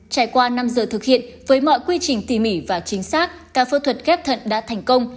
trải qua năm giờ thực hiện với mọi quy trình tỉ mỉ và chính xác ca phẫu thuật ghép thận đã thành công